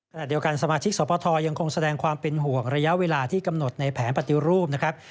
สมาชิกสปทยังคงแสดงความเป็นห่วงระยะเวลาที่กำหนดในแผนปฏิรูปนะครับ